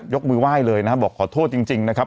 ยกมือไหว้เลยนะครับบอกขอโทษจริงนะครับ